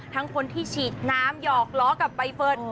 ทั้งคนที่ฉีดน้ำหยอกล้อกับใบเฟิร์น